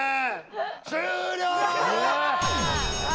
終了！